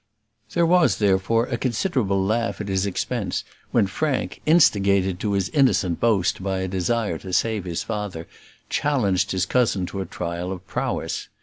There was, therefore, a considerable laugh at his expense when Frank, instigated to his innocent boast by a desire to save his father, challenged his cousin to a trial of prowess.